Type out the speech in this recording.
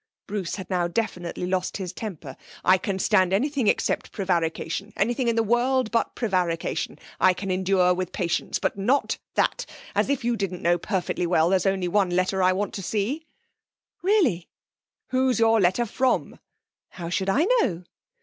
Bruce had now definitely lost his temper. 'I can stand anything except prevarication. Anything in the world, but prevarication, I can endure, with patience. But not that! As if you didn't know perfectly well there's only one letter I want to see.' 'Really?' 'Who's your letter from?' 'How should I know?'